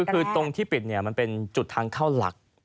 คือตรงที่ปิดมันเป็นจุดทางเข้าหลัก